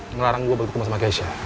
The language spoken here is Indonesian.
ngelarang gue bertemu sama ghaysha